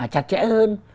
chặt chẽ hơn